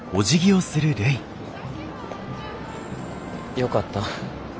よかった。